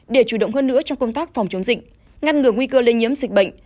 để chủ động hơn nữa trong công tác phòng chống dịch ngăn ngừa nguy cơ lây nhiễm dịch bệnh